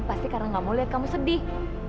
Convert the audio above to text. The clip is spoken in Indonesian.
pasti karena gak mau lihat kamu sedih